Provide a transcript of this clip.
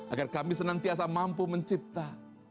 agar kami senantiasa mampu mencipta